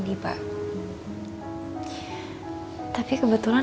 sampai kamu kepikiran